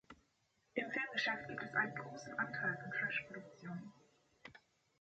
Im Filmgeschäft gibt es einen großen Anteil von Trash-Produktionen.